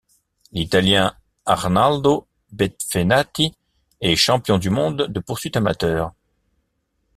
L'Italien Arnaldo Benfenati est champion du monde de poursuite amateur.